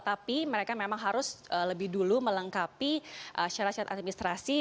tapi mereka memang harus lebih dulu melengkapi syarat syarat administrasi